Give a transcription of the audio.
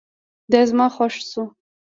دا زما خوښ شو